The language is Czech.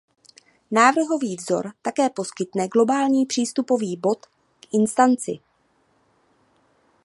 Návrhový vzor také poskytne globální přístupový bod k instanci.